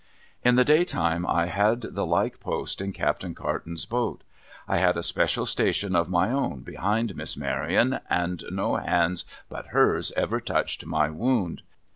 In the day time, I had the like post in Captain Carton's boat. I had a special station of my own, behind Miss Maryon, and no hands but hers ever touched my wound.